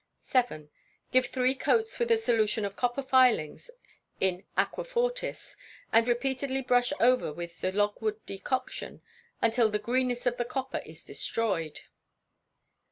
vii. Give three coats with a solution of copper filings in aquafortis, and repeatedly brush over with the logwood decoction, until the greenness of the copper is destroyed.